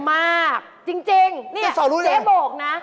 มากจริงนี่เจ๊โบกนะจะสอดรู้อย่างไร